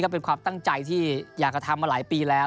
เป็นความตั้งใจที่อยากจะทำมาหลายปีแล้ว